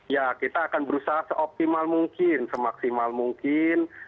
ya kita akan berusaha seoptimal mungkin semaksimal mungkin